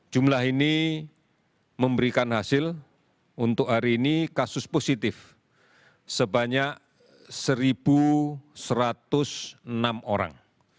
jumlah ini memberikan hasil untuk hari ini kasus positif sebanyak satu satu ratus enam orang